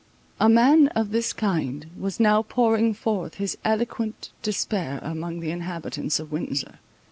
A man of this kind was now pouring forth his eloquent despair among the inhabitants of Windsor.